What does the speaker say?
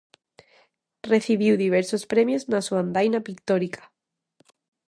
Recibiu diversos premios na súa andaina pictórica.